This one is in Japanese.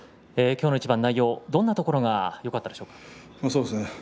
きょうの一番、内容どんなところがよかったですか。